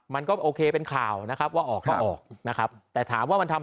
มันก็โอเคเป็นข่าวนะครับว่าออกก็ออกนะครับแต่ถามว่ามันทำให้